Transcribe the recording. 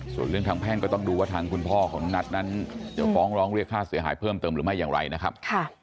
ส่วนเรื่องทางแพ่งก็ต้องดูว่าทางคุณพ่อของนัทนั้นจะฟ้องร้องเรียกค่าเสียหายเพิ่มเติมหรือไม่อย่างไรนะครับ